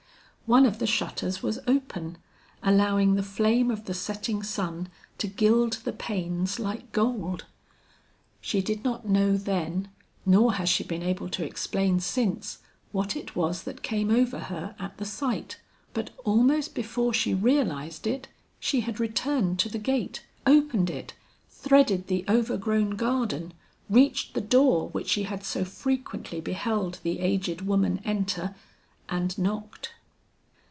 One of the shutters was open, allowing the flame of the setting sun to gild the panes like gold. She did not know then nor has she been able to explain since, what it was that came over her at the sight, but almost before she realized it, she had returned to the gate, opened it, threaded the overgrown garden, reached the door which she had so frequently beheld the aged woman enter and knocked.